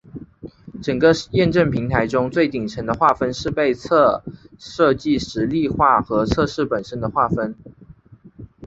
整个验证平台中最顶层的划分是被测设计实例化和测试本身的划分。